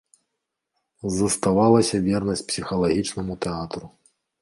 Заставалася вернасць псіхалагічнаму тэатру.